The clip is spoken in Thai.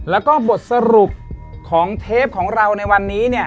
แล้วก็บทสรุปของเทปของเราในวันนี้เนี่ย